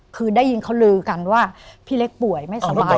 คือได้ยินเขาลือกันว่าพี่เล็กป่วยไม่สบาย